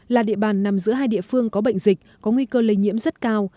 là địa bàn nằm giữa hai địa phương có bệnh dịch có nguy cơ lây nhiễm rất cao